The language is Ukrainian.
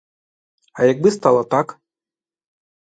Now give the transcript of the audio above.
А якби стало так?